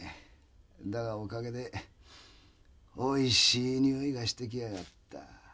だがおかげでおいしい匂いがしてきやがった。